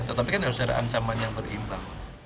tetapi kan harus ada ancaman yang berimbang